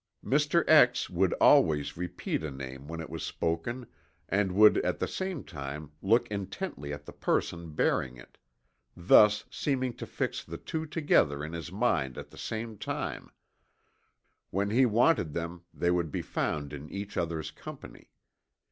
Mr. X. would always repeat a name when it was spoken, and would at the same time look intently at the person bearing it, thus seeming to fix the two together in his mind at the same time when he wanted them they would be found in each other's company.